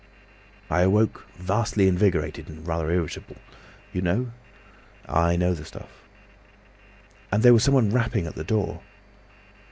"I awoke vastly invigorated and rather irritable. You know?" "I know the stuff." "And there was someone rapping at the door.